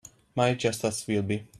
Might just as well be.